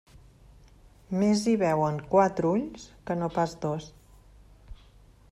Més hi veuen quatre ulls que no pas dos.